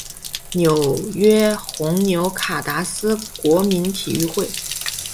纽约红牛卡达斯国民体育会